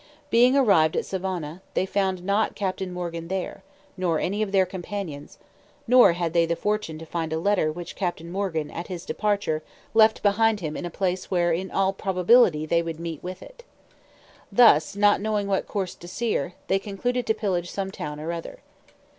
Being arrived at Savona, they found not Captain Morgan there, nor any of their companions, nor had they the fortune to find a letter which Captain Morgan at his departure left behind him in a place where in all probability they would meet with it. Thus, not knowing what course to steer, they concluded to pillage some town or other.